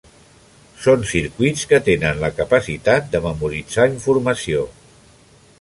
Són circuits que tenen la capacitat de memoritzar informació.